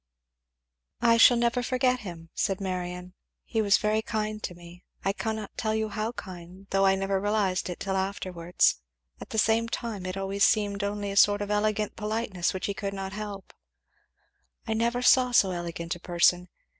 "I shall never forget him," said Marion. "He was very kind to me I cannot tell how kind though I never realized it till afterwards; at the time it always seemed only a sort of elegant politeness which he could not help. I never saw so elegant a person.